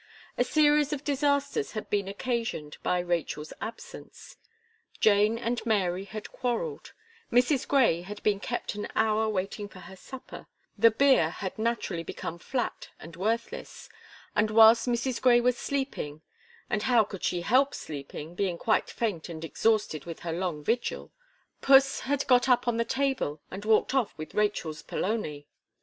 A series of disasters had been occasioned by Rachel's absence; Jane and Mary had quarrelled, Mrs. Gray had been kept an hour waiting for her supper, the beer had naturally become flat and worthless, and whilst Mrs. Gray was sleeping and how could she help sleeping, being quite faint and exhausted with her long vigil puss had got up on the table and walked off with Rachel's polony.